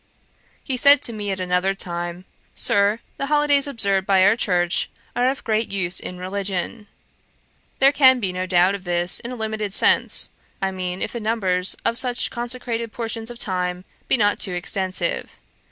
He said to me at another time, 'Sir, the holidays observed by our church are of great use in religion.' There can be no doubt of this, in a limited sense, I mean if the number of such consecrated portions of time be not too extensive.